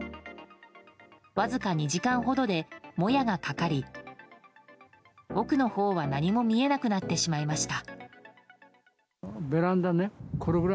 わずか２時間ほどでもやがかかり奥のほうは何も見えなくなってしまいました。